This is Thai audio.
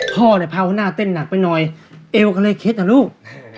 พ่อล่ะยักษณ์เผ้าหน้าเต้นนักไปหน่อยเอวกล้าคลิกนะลูก